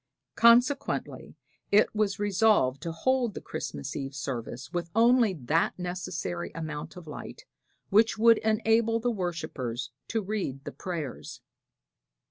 Consequently it was resolved to hold the Christmas Eve service with only that necessary amount of light which would enable the worshipers to read the prayers.